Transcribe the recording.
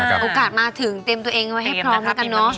เอาโอกาสมาถึงเตรียมตัวเองไว้ให้พร้อมนะครับ